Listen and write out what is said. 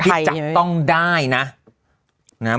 ที่จับต้องได้นะ